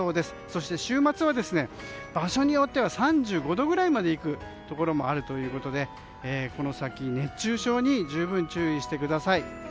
そして、週末は場所によっては３５度くらいまでいくところもあるということでこの先、熱中症に十分注意してください。